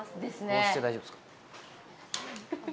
押して大丈夫ですか？